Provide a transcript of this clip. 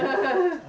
để ta nhạy đi